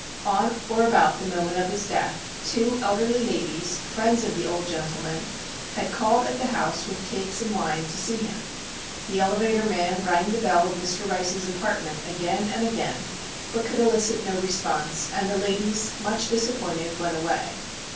On or about the moment of his death, two elderly ladies, friends of the old gentleman, had called at the house with cakes and wine, to see him. The elevator man rang the bell of Mr. Rice's apartment again and again, but could elicit no response, and the ladies, much disappointed, went away.